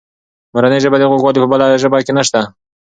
د مورنۍ ژبې خوږوالی په بله ژبه کې نسته.